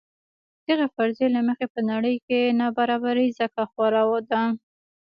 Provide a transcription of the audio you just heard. دغې فرضیې له مخې په نړۍ کې نابرابري ځکه خوره ده.